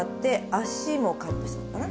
脚もカットしたのかな？